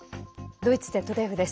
ドイツＺＤＦです。